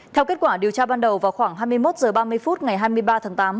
theo kết quả điều tra ban đầu vào khoảng hai mươi một h ba mươi phút ngày hai mươi ba tháng tám